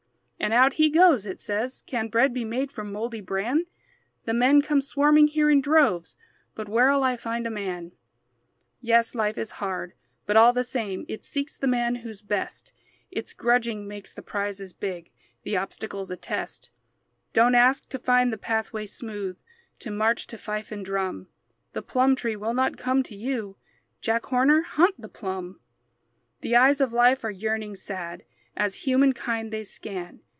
And out he goes. It says, "Can bread Be made from mouldy bran? The men come swarming here in droves, But where'll I find a man?" Yes, life is hard. But all the same It seeks the man who's best. Its grudging makes the prizes big; The obstacle's a test. Don't ask to find the pathway smooth, To march to fife and drum; The plum tree will not come to you; Jack Horner, hunt the plum. The eyes of life are yearning, sad, As humankind they scan.